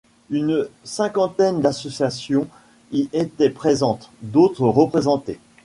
Une cinquantaine d'associations y étaient présentes, d'autres représentées.